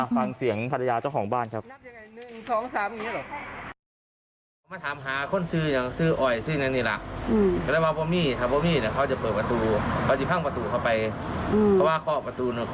ฟังเสียงภรรยาเจ้าของบ้านครับ